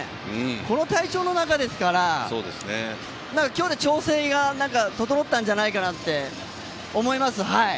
この体調の中ですから、今日で調整が整ったんじゃないかって思います。